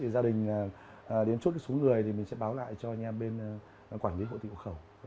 gia đình đến chút số người thì mình sẽ báo lại cho anh em bên quản lý hội thị ủng hộ khẩu